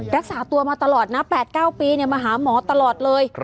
รักษาตัวมาตลอดนะ๘๙ปีมาหาหมอตลอดเลย